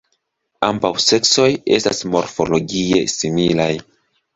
Ambaŭ seksoj estas morfologie similaj.